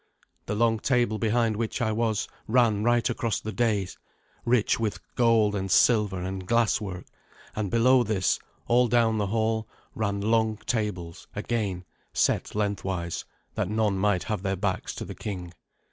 The long table behind which I was ran right across the dais, rich with gold and silver and glass work: and below this, all down the hall, ran long tables again, set lengthwise, that none might have their backs to the king.